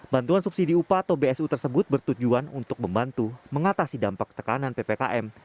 bantuan subsidi upah atau bsu tersebut bertujuan untuk membantu mengatasi dampak tekanan ppkm